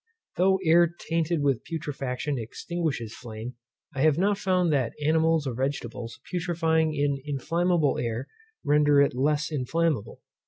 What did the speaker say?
Though air tainted with putrefaction extinguishes flame, I have not found that animals or vegetables putrefying in inflammable air render it less inflammable.